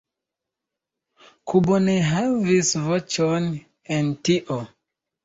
Kubo ne havis voĉon en tio"”.